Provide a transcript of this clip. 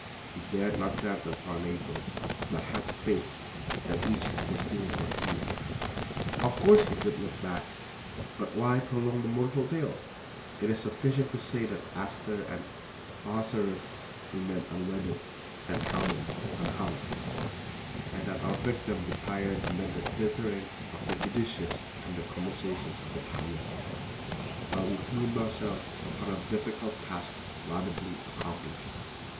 We dared not glance at our neighbors, but had faith that each was doing his duty. Of course he did look back, but why prolong the mournful tale? It is sufficient to say that Esther and Ahasuerus remained unwedded and Haman unhung; and that our victim retired amid the titterings of the judicious and the commiserations of the pious, while we plumed ourselves upon a difficult task laudably accomplished.